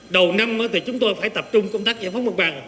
đầu năm thì chúng tôi phải tập trung công tác giải phóng vận tải